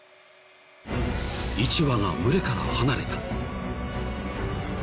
１羽が群れから離れた。